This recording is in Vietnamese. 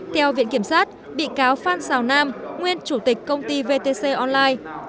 theo viện kiểm sát bị cáo phan xào nam nguyên chủ tịch công ty vtc online